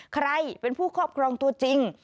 ใครเป็นผู้ครอบครองตัวจริง